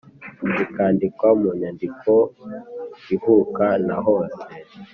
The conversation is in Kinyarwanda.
Bikandikwa Mu Nyandiko Y Ivuka Naho Se